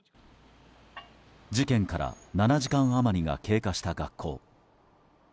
事件から７時間余りが経過した学校。